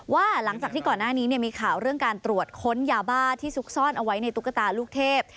ว่าหลังจากที่ก่อนหน้านี้มีข่าวเรื่องการตรวจค้นยาบ้าที่ซุกซ่อนเอาไว้ในตุ๊กตาลูกเทพ